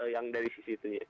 yang dari sisi itu